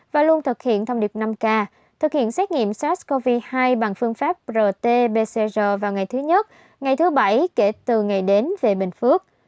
và luôn thực hiện thông điệp năm k thực hiện xét nghiệm sars cov hai bằng phương pháp rt pcr vào ngày thứ nhất ngày thứ bảy kể từ ngày đến về bình phước